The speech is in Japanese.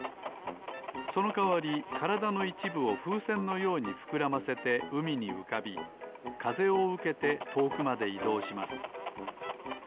そのかわりからだのいちぶをふうせんのようにふくらませてうみにうかびかぜをうけてとおくまでいどうします。